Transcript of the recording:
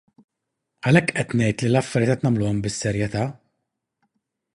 Għalhekk qed ngħid li l-affarijiet qed nagħmluhom bis-serjetà!